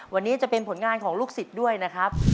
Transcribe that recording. วันนี้จะเป็นผลงานของลูกศิษย์ด้วยนะครับ